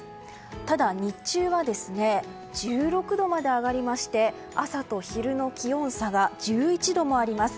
ただ日中は１６度まで上がりまして朝と昼の気温差が１１度もあります。